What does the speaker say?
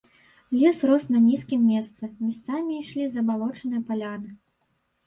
Лес рос на нізкім месцы, месцамі ішлі забалочаныя паляны.